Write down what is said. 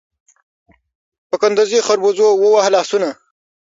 په کندوزي خربوزو ووهه لاسونه